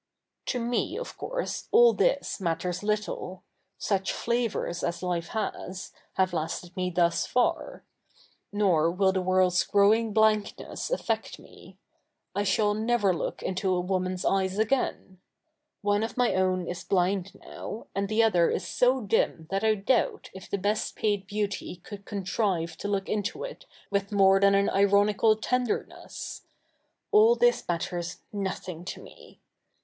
' To J7ie, of course, all this 7/iatters little. Such flavours as life has, have lasted ?7ie thus far ; 7ior will the zvorlds growing blank7iess affect 77ie. I shall never look into a 2voma7i's eyes again. Ofie of 7}iy own is bli7id 7iow, a/id the other is so dim thai I doubt if the best paid beauty 174 THE NEW REPUBLIC [hk. iii could contrive to look into it ivith more than an ironical tendei^ness. All this matters nothing to me.